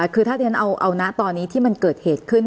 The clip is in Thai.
คือถ้าที่ฉันเอานะตอนนี้ที่มันเกิดเหตุขึ้น